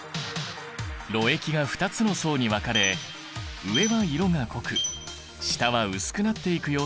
ろ液が２つの層に分かれ上は色が濃く下は薄くなっていく様子が観察できる。